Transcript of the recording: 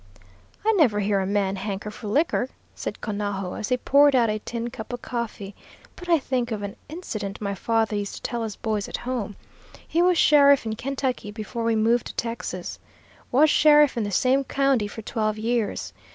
"I never hear a man hanker for liquor," said Conajo, as he poured out a tin cup of coffee, "but I think of an incident my father used to tell us boys at home. He was sheriff in Kentucky before we moved to Texas. Was sheriff in the same county for twelve years.